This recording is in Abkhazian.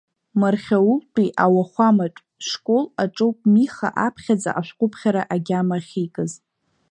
Мархьаултәи ауахәаматә школ аҿоуп Миха аԥхьаӡа ашәҟәыԥхьара агьама ахьикыз.